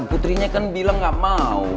putrinya kan bilang gak mau